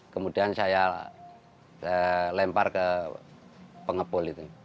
kemudian saya lempar ke pengepul itu